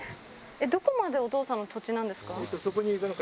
どこまでお父さんの土地なんですか？